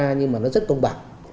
tham gia nhưng mà nó rất công bằng